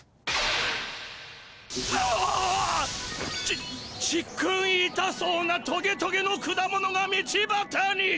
ちっちっくんいたそうなトゲトゲの果物が道ばたに。